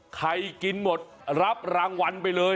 กินหมดรับรางวัลไปเลย